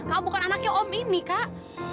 kamu bukan anaknya om ini kak